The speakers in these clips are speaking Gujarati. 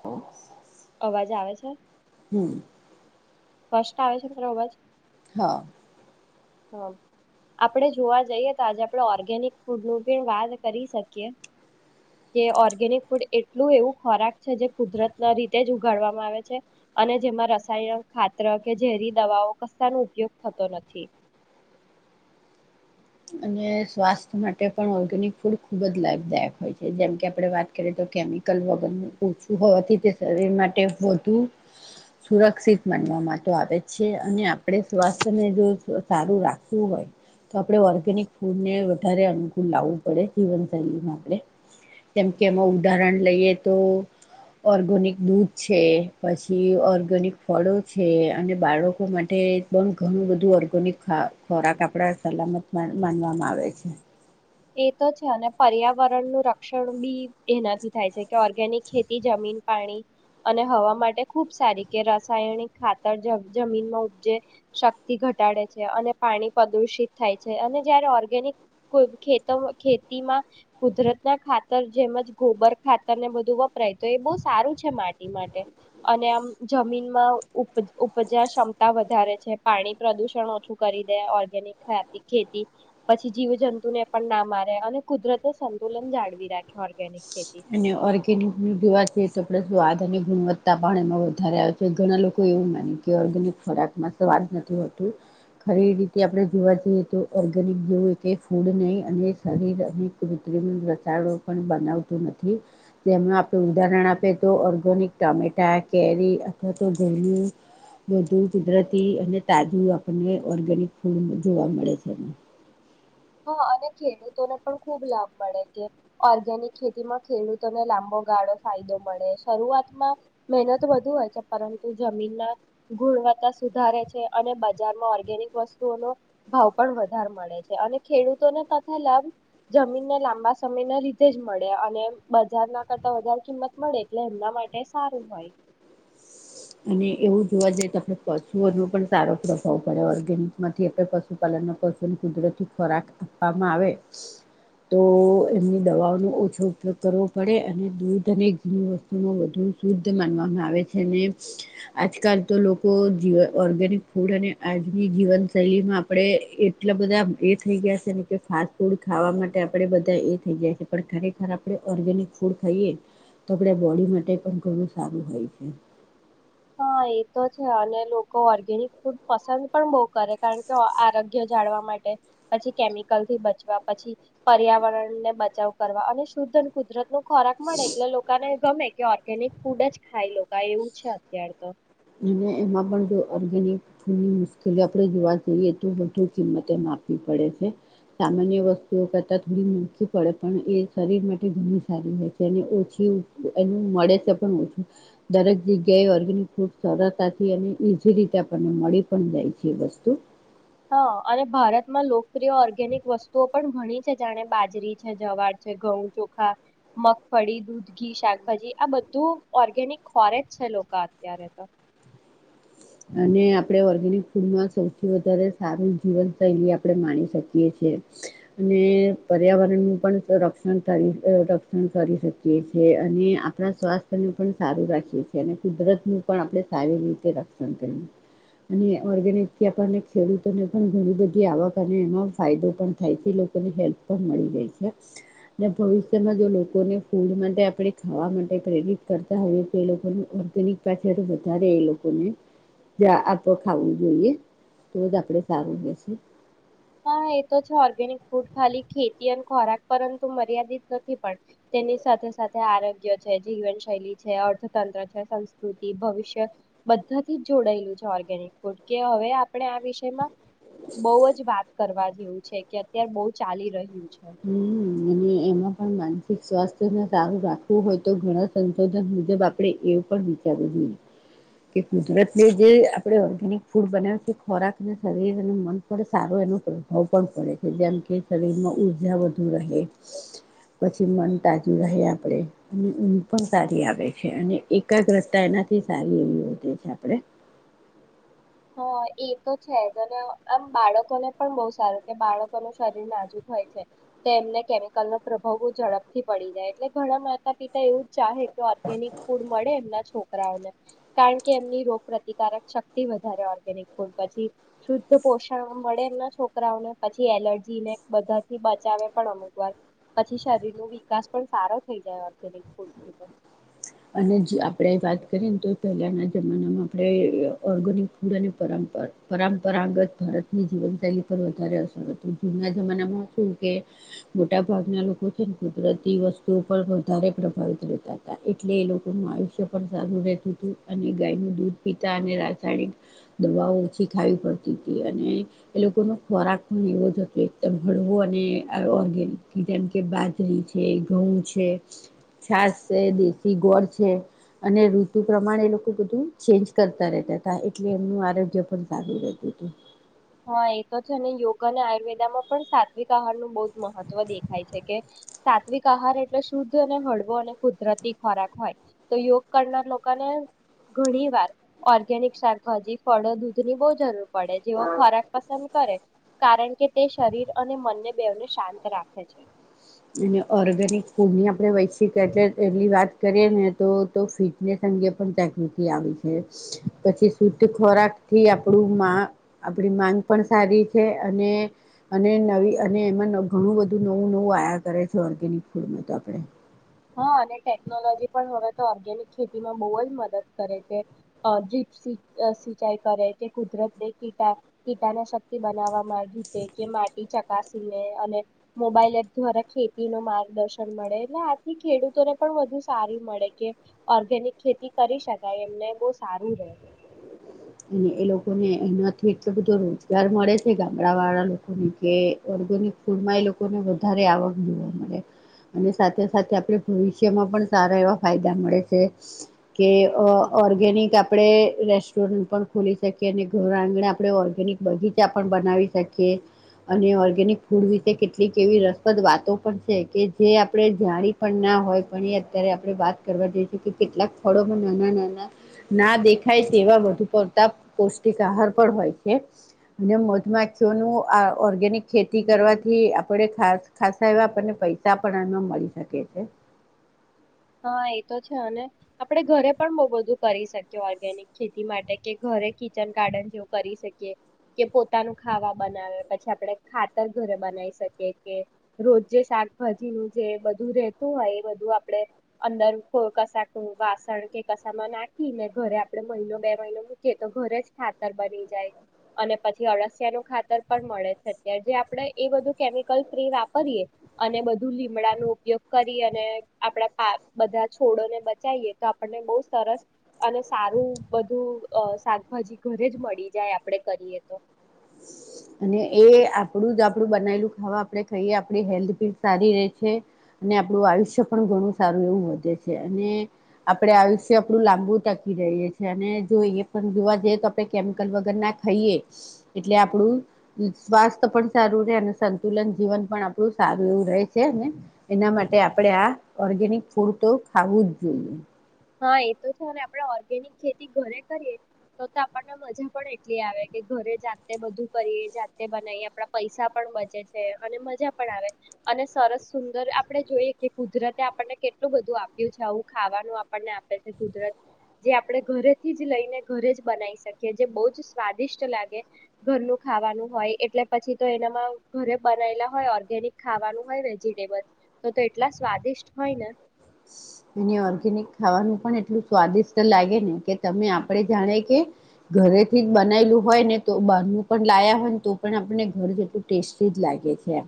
હ અવાજ આવે છે? સ્પષ્ટ આવે છે મારો અવાજ? હા હ આપડે જોવા જઈએ તો આજે આપણે ઓર્ગેનિક ફૂડ નું પણ વાત કરી શકીએ કે ઓર્ગેનિક ફૂડ એટલું એવું ખોરાક છે જે કુદરત ના રીતે જ ઉગાડવામાં આવે છે અને જેમાં રસાયણ ખાતરા કે ઝેરી દવાઓ કસ્તા ન ઉપયોગ થતો નથી. અને સ્વાસ્થ્ય માટે પણ ઓર્ગેનિક ફૂડ ખૂબ જ લાભદાયક હોય છે જેમ કે આપણે વાત કરીએ તો કેમિકલ વગરનું ઓછું હોવાથી તે શરીર માટે વધુ સુરક્ષિત માનવામાં તો આવે છે અને આપણે સ્વાસ્થ્યને જો સારું રાખવું હોય તો આપણે ઓર્ગેનિક ફૂડને વધારે અનુકૂળ લાવવું પડે જીવનશૈલીમાં આપણે જેમકે એમાં ઉદાહરણ લઈએ તો ઓર્ગેનિક દૂધ છે પછી ઓર્ગેનિક ફળો છે અને બાળકો માટે પણ ઘણું બધું ઓર્ગેનિક ખોરાક આપણા સલામતમાં માનવામાં આવે છે. એ તો છે પર્યાવરણનું રક્ષણ બી એનાથી થાય છે કે ઓર્ગેનિક ખેતી જમીન પાણી અને હવા માટે ખુબ સારી કે રાસાયણિક ખાતર જમીનમાં ઉપજે શક્તિ ઘટાડે છે અને પાણી પ્રદુષિત થાય છે અને જયારે ઓર્ગેનિકે ખેતીમાં કુદરત ના ખાતર જેમજ ગોબર ખાતર ને બધું વપરાય તો એ બહ સારું છે માટી માટે અને આમ જમીનમાં ઉપ ઉપજા ક્ષમતા વધારે છે પાણી પ્રદુષણ ઓછું કરી દે ઓર્ગેનિક ખાતા ખેતી પછી જીવજંતુને પણ ના મારે અને કુદરતે સંતુલન જાળવી રાખે ઓર્ગેનિક ખેતી અને ઓર્ગેનિક નું દીવા છેએ તો આપ સ્વાદ તેની ગુણવત્તા પણ એમાં વધારે આવે છે ઘણા લોકો [unintelligible] ઘણા લોકોએવું માને કે ઓર્ગેનિક ખોરાકમાં સ્વાદ નથી હોતું ખરી રીતે આપણે જોવા જઈએ તો ઓર્ગેનિક જેવું એકેય ફૂડ નહીં અને શરીર અનેક કૃતિમ રસાયણો બનાવતું નથી જેમાં આપણે ઉદાહરણ આપી તો ઓર્ગેનિક ટામેટા કેરી અથવા તો ઘણ વધુ કુદરતી અને તાજું આપને ઓર્ગેનિક ફૂડ જોવા મળે છે. હા અને ખેડૂતોને પણ ખૂબ લાભ મળે કે ઓર્ગેનિક ખેતીમાં ખેડૂતોને લાંબો ગાળો ફાયદો મળે શરૂઆતમાં મહેનત વધુ હોય છે પરંતુ જમીનના ગુણવત્તા સુધારે છે અને બજારમાં ઓર્ગેનિક વસ્તુઓનો ભાવ પણ વધારે મળે છે અને ખેડૂતોને તથા લાભ જમીનને લાંબા સમયના લીધે જ મળે અને બજાર ના કરતા વધારે કિંમત મળે એટલે એમના માટે સારું હોય. અને એવું જોવા જઈએ તો આપણે પશુઓનો પણ સારો પ્રભાવ પડે ઓર્ગેનિક માંથી આપણે પશુપાલન ના પશુઓને કુદરતી ખોરાક આપવામાં આવે તો એમની દવાઓનો ઓછો ઉપયોગ કરવો પડે અને દૂધ અને ઘીની વસ્તુ વધુ શુદ્ધ માનવામાં આવે છે અને આજકાલ તો લોકો જ ઓર્ગેનિક ફૂડ અને આજની જીવનશૈલીમાં આપણે એટલા બધા એ થઈ ગયા છે ને કે ફાસ્ટ ફૂડ ખાવા માટે આપણે બધા એ થઈ ગયા છે પણ ખરેખર આપણે ઓર્ગેનિક ફૂડ ખાઈએ તો આપડા બોડી માટે પણ ઘણું સારું હોય છે. હા એ તો છે અને લોકો ઓર્ગેનિક ફૂડ પસંદ પણ બહ કરે કારણ કે આરોગ્ય જાળવા માટે પછી કેમિકલ થી બચવા પછી પર્યાવરણ ને બચાવ કરવા અને શુદ્ધ અને કુદરત નું ખોરાક મળે એટલે લોકાને ગમે કે ઓર્ગેનિક ફૂડ જ ખાઈ લો એવું છે. ત્યાર તો અને એમાં પણ જો ઓર્ગેનિક ફૂડની મુશ્કેલી આપણે જોવા જઈએ તો વધુ કિંમત એમાં આપવી પડે છે સામાન્ય વસ્તુઓ કરતા થોડી મૂી પડે પણ એ શરીર માટે ઘણી સારી હો છે અને ઓછી એનું મળે છે પણ ઓછું દરેક જગ્યાએ ઓર્ગેનિક ફૂડ સરળતાથી અને ઈઝી રીતે આપણને મળી પણ જાય છે એ વસ્તુ હા અને ભારતમાં લોકપ્રિય ઓર્ગેનિક વસ્તુઓ પણ ઘણી છે જાણે બાજરી છે જવાર છે ઘઉં ચોખા મગફળી દૂધ ઘી શાકભાજી આ બધું ઓર્ગેનિક ખોરેજ છે લોકા અત્યારે તો અને આપણે ઓર્ગેનિક ફૂડમાં સૌથી વધારે સારું જીવનશૈલી આપણે માણી શકીએ છે અને પર્યાવરણનું પણ રક્ષણ કરી રક્ષણ કરી શકીએ છીએ અને આપણા સ્વાસ્થ્યું પણ સારું રાખીએ છીએ અને કુદરતનું પણ આપણે સારી રીતે [unintelligible] અને ઓર્ગેનિકથી આપણને ખેડૂતોને પણ ઘણી બધી આવક અને એમાં ફાયદો પણ થાય છે, લોકોને હેલ્પ પણ મળી જાય છે. અને ભવિષ્યમાં જો લોકોને ફૂડ માટે આપણે ખાવા માટે પ્રેરિત કરતા હોઈએ તો એ લોકોનું ઓર્ગેનિક પાછળ વધારે એ લોકોને જ આપ ખાવું જોઈએ. તો જ આપડે સારું રહેશે. હા એ તો છે ઓર્ગેનિક ફૂડ ખાલી ખેતી અને ખોરાક પરંતુ મર્યાદિત નથી પણ તેની સાથે સાથે આરોગ્ય છે જીવનશૈલી છે અર્થતંત્ર છે સંસ્કૃતિ ભવિષ્ય બધાથી જ જોડાયેલું છે ઓર્ગેનિક ફૂડ કે હવે આપણે આ વિષયમાં બહ જ વાત કરવા જેવું છે કે અત્યારે બહુ ચાલી રહ્યું છે હમ અને એમાં પણ માનસિક સ્વાસ્થ્યને સારું રાખવું હોય તો ઘણા સંશોધન મુજબ આપણે એવું પણ વિચારવું જોઈએ કે કુદરતને જે આપણે ઓર્ગેનિક ફૂડ બનાવે ખોરાકને શરીર અને મન પર સારો એનો પ્રભાવ પણ પડે છે જેમ કે શરીરમાં જા વધુ રહે પછી મન તાજું રહે આપણે અને ઊઘ પણ સારી આવે છે અને એકાગ્રતા એનાથી સારી એવી વધે છે આપણે હા એ તો છે જ અને આમ બાળકોને પણ બહુ સારું કે બાળકોનું શરીર નાજુક હોય છે તો એમને કેમિકલ નો પ્રભાવ બહ ઝડપથી પડી જાય એટલે ઘણા માતા પિતા એવું જ ચાહે ઓર્ગેનિક ફૂડ મળે એમના છોક કારણ કે એમની રોગ પ્રતિકારક શક્તિ વધ ધારે ઓર્ગેનિક ફૂડ પછી શુદ્ધ પોષણ મળે એમના છોકરાઓને, પછી એલર્જી ને બધાથી બચાવે પણ અમુક વાર, પછી શરીર નું વિકાસ પણ સારો થઈ જાય ઓર્ગેનિક ફૂડ [unintelligible] અને જે આપણે વાત કરીએ ને તો પહેલાના જમાનામાં આપણે ઓર્ગેનિક ફૂડ અને પરપ પરંપરાગત ભારતની જીવનશૈલી પર વધારે અસર હતું. જુના જમાનામાં શું કે મોટા ભાગના લોકો છે ને કુદરતી વસ્તુ પર વધારે પ્રભાવિત રહેતા તા એટલે એ લોકોનું આયુષ્ય પણ સારું રહેતું હતું અને ગાયનું દૂધ પીતા અને રાસાયણિક દવાઓ ઓછી ખાવી પડતી હતી અને એ લોકોનો ખોરાક પણ એવો જ હતો એકદમ હળવો અને ઓર્ગેનિક જેમ કે બાજરી છે ઘઉં છે છાસ છે થી ગોળ છે, અને ઋતુ પ્રમાણે એ લોકો બધું ચેન્જ કરતા રહેતા તા, એટલે એમનું આરોગ્ય પણ સારું રહેતું તું. હા એ તો છે ને યોગ અને આયુર્વેદા માં પણ સાત્વિક આહાર નું બહું જ મહત્વ દેખાય છે, કે સાત્વિક આહાર એટલે શુદ્ધ અને હળવો અને કુદરતી ખોરાક હોય, તો યોગ કરનાર લોકોને ઘણી વાર ઓર્ગેનિક શાકભાજી, ફળો, દૂધ ની બહું જરૂર પડે છ ખોરાક પસંદ કરે કારણ કે તે શરીર અને મનને બેને શાંત રાખે છે ઓગેનિક ફૂડની આપણે વૈશ્વિક એટલે એટ વાત કરીએ ને તો ફિટનેસ અંગે પણ તકૃ આવી છે પછી શુદ્ધ ખોરાક થી આપું આપણી માંગ પણ સારી છે અને નવી અને એમાં ઘણું બધું નવું નવું કરે છે ઓર્ગેનિક ફૂડમાં તો આપણે હા અને ટેકનોલોજી પણ હવે તો ઓર્ગેનિક ખેતીમાં બહુ જ મદદ કરે, કે અહ ડ્રીપ સિ સિંચાઈ કરે કે કુદરતને કી કીટાના શક્તિ બનાવવામાં રીતે કે માટી ચકાસીન લે, અને મોબાઈલ એપ દ્વારા ખેતી નો માર્ગદર્શન મળે, એના થી ખેડૂતોને પણ વધુ સારી મળે કે ઓર્ગેનિક ખેતી કરી શકાય એમને બહ સારું રહેે અને એ લોકોને એનાથી એટલો બધો રોજગાર મળે છે ગામડા વાળા લોકોને કે ઓર્ગેનિક ફૂડમાં એ લોકોને વધારે આવક જોવા મળે અને સાથે સાથે આપણે ભવિષ્યમાં પણ સારા એવા ફાયદા મળે છે કે ઓર્ગેનિક આપણેે રેસ્ટોરન્ટ પણ ખોલી શકીએ અને ઘર આંગણે આપણે ઓર્ગેનિક બગીચા પણ બનાવી શકીએ, અને ઓર્ગેનિક ફૂડ વિશે કેટલીક એવી રસપ્રદ વાતો પણ છે કે જે આપણે જાણી પણ ના હોય, પણ એ અત્યારે આપણે વાત કરવા જઈ છે કે કેટલાક ફળોમાં નાના-નાના ના દેખાય સ કે એવા વધું તા પૌષ્ટિક આહાર પણ હોય છે અને મધમાખીઓ ન આ ઓર્ગેનિક ખેતી કરવાથી આપણે ખાસ એવા આપણને પૈસા પણ એમાં મળી શકે છે હા એતો છે. અને આપણે ઘરે પણ બહુ બધું કરી શકીએ ઓર્ગેનિક ખેતી માટે, કે ઘરે કિચન ગાર્ડન જેવું કરી શકીએ, કે પોતાનું ખાવા બનાવે, પછી આપણે ખાતર ઘરે બનાવી શકીએ કે રોજ જે શાકભાજીનું જે બધું રહેેતું હોય એ બધું આપણે અંદર કો કશક વાસણ કે કશમાં નાખીને ઘરે આપડે મહિનો બે મહિનો મૂકીએ તો ઘરે જ ખાતર બની જાય અને પછી અળસિયા નું ખાતર પણ મળે છે અત્યારે જે આપડે એ બધું કેમિકલ ફ્રી વાપરીએ અને બધું લીમડા ન ઉપયોગ કરી અને આપડા આ બધા છોડોને બચાઈએ તો આપણને બહુ સરસ અને સારું બધું અહ શાકભાજી ઘરે જ મળી જાય આપડે કરીએ તો. અને એ આપણું જ આપડું બનાયેલું ખાવા આપણે ખઈએ આપડી હેલ્થ ભી સારી રે છે, અને આપણું આયુષ્ય પણ ઘણું સારું એવું વધે છે, અને આપડે આયુષ્ય આપણું લાંબુ ટકી રહે છે, અને જો ઈ પણ જોવા જઈએ તો આપણે કેમિકલ વગર ના ખાઈએ એટલે આપણું સ્વાસ્થ પણ સારું રહે અને સંતુલન જીવન પણ આપણું સારું એવું રહે છે એના માટે આપણે આ ઓર્ગેનિક ફૂડ તો ખું જ જોઈએ હા એ તો છે, અને આપણે ઓર્ગેનિક ખેતી ઘરે કરીએ તો-તો આપણને મજા પણ એટલી આવે કે ઘરે જાતે બધું કરીએ, જાતે બનાઈએ આપણા પૈસા પણ બચે છે, અને મજા પણ આવે, અને સરસ સુંદર આપણે જોઈએ કે કુદરતે આપણને કેટલું બધું આપ્યું છે આવું ખાવાનું આ પણને આપે છે કુદરત, જે આપણે ઘરેથી જ લઈને ઘરે જ બનાઈ શકીએ, જે બહુઃ જ સ્વાદિષ્ટ લાગે. ઘરનું ખાવાનું હોય એટલે પછી તો એનામાં ઘરે બનાયેલા હોય ઓર્ગેનિક ખાવાનું હોય વેજીિટેબલ, તો-તો એટલા સ્વાદિષ્ટ હોય ને. ને ઓર્ગેનિક ખાવાનું પણ એટલું સ્વાદિષ્ટ લાગે ને કે તમે આપણે જાણે કે ઘરેથી જ બનાયેલું હોય ને તો બારનું પણ લાયા હોય ને તો પણ આપને ઘર જેટલું ટેસ્ટી જ લાગે છે.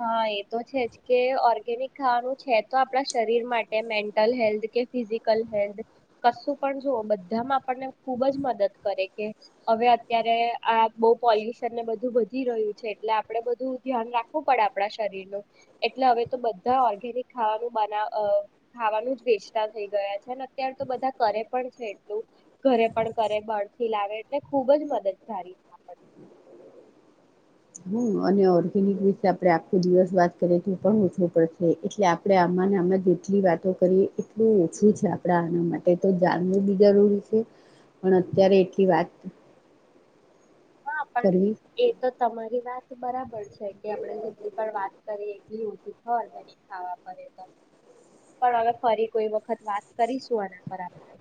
હા એ તો છે જ, કે ઓર્ગેનિક ખાવાનું છે તો આપણા શરીર માટે મેન્ટલ હેલ્થ કે ફિઝિકલ હેલ્થ કશું પણ જોવો બધામાં આપણને ખુબ જ મદદ કરે કે, હવે અત્યારે આ બહુ પોલ્યુશનને બધું વધી રહ્યું છે, એટલે આપડે બધું ધ્યાન રાખ વું પડે આપણા શરીરનું, એટલે હવે તો બધા ઓર્ગેનિક ખાવાનું બનાવ અહ ખાવાનું જ વેચતા થઈ ગયા છે, અને અત્યારે તો બધા કરે પણ છે એટલું, ઘરે પણ કરે બરથી લાવે એટલે ખુબ જ મદદગારી છે આપણને. હમ અને ઓર્ગેનિક વિશે આપણે આખો દિવસ વાત કરીએ તો પણ ઓછો પડશે એટલે આપણે આમાં આમાં જેટલી વાતો કરીએ એટલું ઓછું છે આપણા આના માટે તો જાણવું બી જરૂરી છે પણ અત્યારે એટલી વાત હા પણ કરવી એ તો તમારી વાત તે બરાબર છ કે આપણે જેટલી પણ વાત કરીએ [unintelligible] ઓર્ગેનિક ખાવા પડે તો, પણ હવે ફરી કોઈ વખત વાત કરીશું આના પર આપણે.